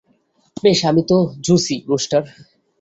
বেশ, আমি তো জোশই, রুস্টার।